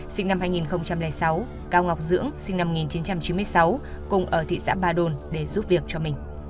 sinh năm hai nghìn sáu cao ngọc dưỡng sinh năm một nghìn chín trăm chín mươi sáu cùng ở thị xã ba đồn để giúp việc cho mình